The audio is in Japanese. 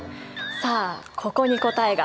さあここに答えが。